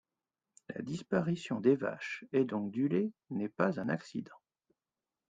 La disparition des vaches, et donc du lait, n'est pas un accident.